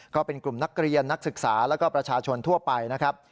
ก็เป็นกลุ่มนักเรียนนักศึกษาแล้วก็ประชาชนทั่วไปนะครับ